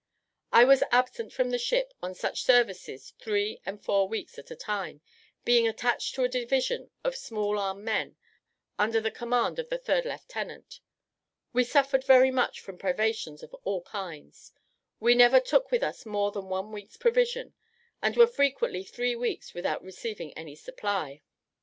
I was absent from the ship on such services three and four weeks at a time, being attached to a division of small arm men under the command of the third lieutenant. We suffered very much from privations of all kinds. We never took with us more than one week's provision, and were frequently three weeks without receiving any supply.